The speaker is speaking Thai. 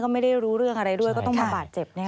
ไม่ได้รู้เรื่องอะไรด้วยก็ต้องมาบาดเจ็บ